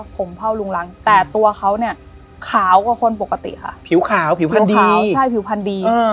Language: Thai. ผมเผ่าลุงรังแต่ตัวเขาเนี่ยขาวกว่าคนปกติค่ะผิวขาวผิวพันขาวใช่ผิวพันธุ์ดี